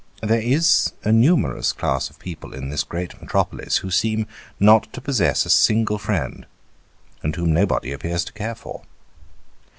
There is a numerous class of people in this great metropolis who seem not to possess a single friend, and whom nobody appears to care for.